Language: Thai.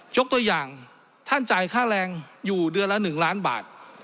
ยกตัวอย่างท่านจ่ายค่าแรงอยู่เดือนละ๑ล้านบาท